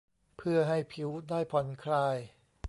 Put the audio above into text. เพื่อให้ผิวได้ผ่อนคลาย